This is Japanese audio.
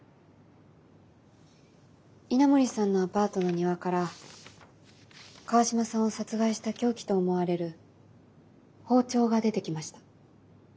稲森さんのアパートの庭から川島さんを殺害した凶器と思われる包丁が出てきました。